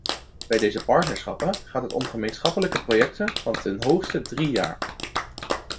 Bij deze partnerschappen gaat het om gemeenschappelijke projecten van ten hoogste drie jaar.